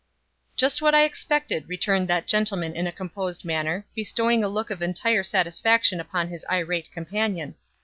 "Just what I expected," returned that gentleman in a composed manner, bestowing a look of entire satisfaction upon his irate companion.